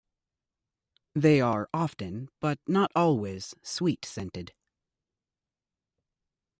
They are often, but not always, sweet-scented.